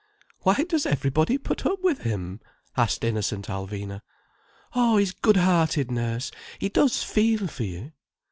"Why does everybody put up with him?" asked innocent Alvina. "Oh, he's good hearted, nurse, he does feel for you."